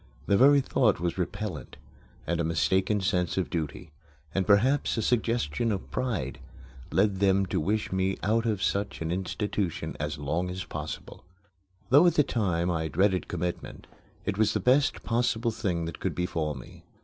The very thought was repellent; and a mistaken sense of duty and perhaps a suggestion of pride led them to wish me out of such an institution as long as possible. Though at the time I dreaded commitment, it was the best possible thing that could befall me.